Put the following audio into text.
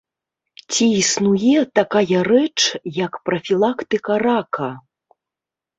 Ці існуе такая рэч, як прафілактыка рака?